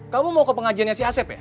kamu mau ke pengajiannya si asep ya